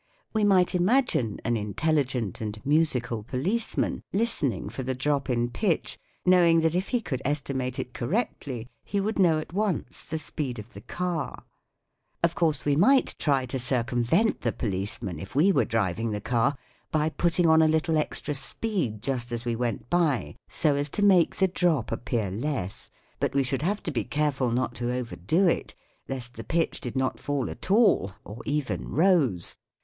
We might imagine an intelligent and musical policeman listening for the drop in pitch, knowing that if he could estimate it correctly he would know at once the speed of the car. Of course we might try to circumvent the policeman, 1 For example, in Barton's Text Book on Sound. 8o THE WORLD OF SOUND if we were driving the car, by putting on a little extra speed just as we went by so as to make the drop appear less. But we should have to be careful not to overdo it, lest the pitch did not fall at all, or even rose